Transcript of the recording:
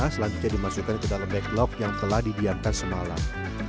selanjutnya dimasukkan ke dalam backlog yang telah didiamkan semalam